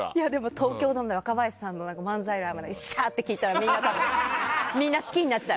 東京ドームで若林さんの漫才でしゃー！って聞いたらみんな多分、好きになっちゃう。